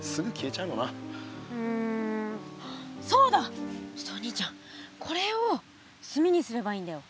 ちょっとお兄ちゃんこれを炭にすればいいんだよ。